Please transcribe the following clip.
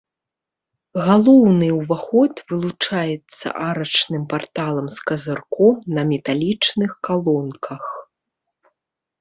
Галоўны ўваход вылучаецца арачным парталам з казырком на металічных калонках.